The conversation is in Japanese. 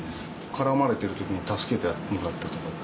絡まれてる時に助けてもらったとかって。